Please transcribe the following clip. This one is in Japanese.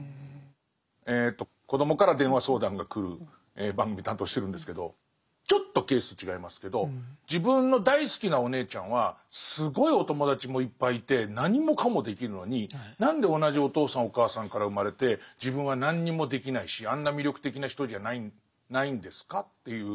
えと子どもから電話相談が来る番組担当してるんですけどちょっとケース違いますけど自分の大好きなお姉ちゃんはすごいお友達もいっぱいいて何もかもできるのに何で同じお父さんお母さんから生まれて自分は何にもできないしあんな魅力的な人じゃないんですか？という。